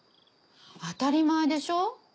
当たり前でしょ！